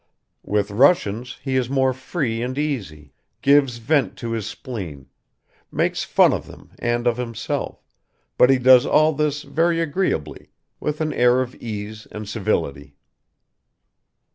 With Russians he is more free and easy, gives vent to his spleen, makes fun of them and of himself, but he does all this very agreeably, with an air of ease and civility.